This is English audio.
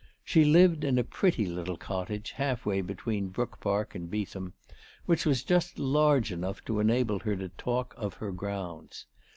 She lived in a pretty little cottage half way between Brook Park and Beetham, which was just large enough to enable her to talk of her grounds.